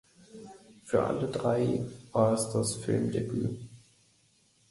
Für alle drei war es das Filmdebüt.